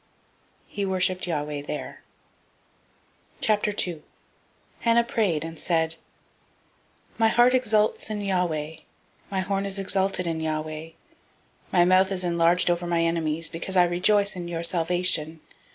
He worshiped Yahweh there. 002:001 Hannah prayed, and said: My heart exults in Yahweh! My horn is exalted in Yahweh. My mouth is enlarged over my enemies, because I rejoice in your salvation.